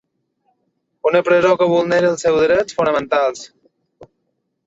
Una presó que vulnera els seus drets fonamentals.